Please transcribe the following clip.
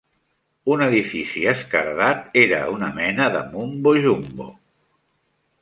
"Un edifici esquerdat era una mena de Mumbo Jumbo".